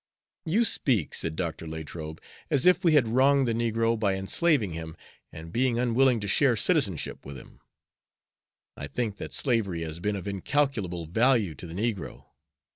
"You speak," said Dr. Latrobe, "as if we had wronged the negro by enslaving him and being unwilling to share citizenship with him. I think that slavery has been of incalculable value to the negro.